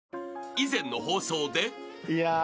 ［以前の放送で］